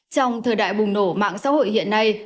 trong thời đại bùng nổ mạng xã hội hiện nay